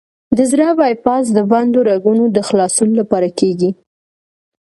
د زړه بای پاس د بندو رګونو د خلاصون لپاره کېږي.